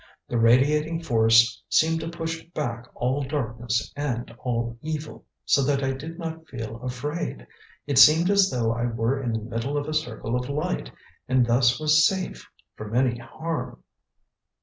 The radiating force seemed to push back all darkness and all evil, so that I did not feel afraid. It seemed as though I were in the middle of a circle of light, and thus was safe from any harm."